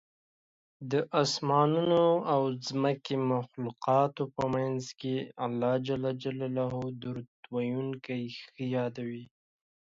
د اسمانونو او ځمکې د مخلوقاتو په منځ کې الله درود ویونکی ښه یادوي